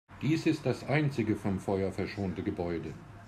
Dies ist das einzige vom Feuer verschonte Gebäude.